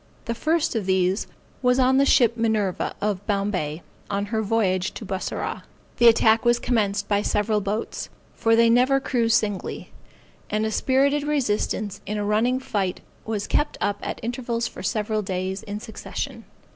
The first of these was on the ship Minerva, of Bombay, on her voyage to Bussorah. The attack was commenced by several boats, (for they never cruize singly,) and a spirited resistance in a running fight was kept up at intervals for several days in succession.